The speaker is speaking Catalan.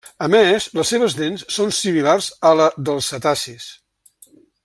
A més, les seves dents són similars a la dels cetacis.